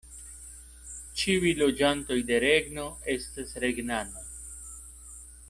Ĉiuj loĝantoj de regno estas regnanoj.